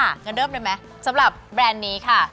กันเริ่มได้มั้ยสำหรับแบรนด์นี้ค่ะ